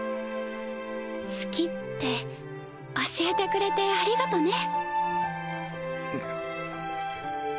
好きって教えてくれてありがとね